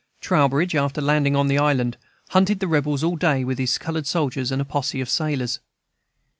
Trowbridge, after landing on the island, hunted the rebels all day with his colored soldiers, and a posse of sailors.